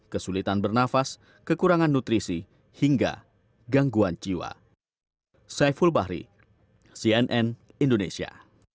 kesulitan bernafas kekurangan nutrisi hingga gangguan jiwa